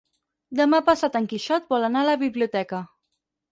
Demà passat en Quixot vol anar a la biblioteca.